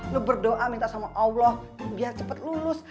lo berdoa minta sama allah biar cepet lulus